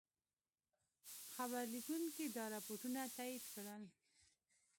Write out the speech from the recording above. خبرلیکونکي دا رپوټونه تایید کړل.